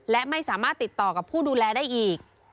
และไม่สามารถติดต่อกับผู้ดูแลได้อีก